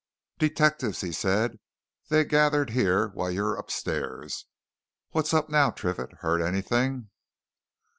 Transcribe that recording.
"Detectives," he said. "They've gathered here while you were upstairs. What's up now, Triffitt? Heard anything?"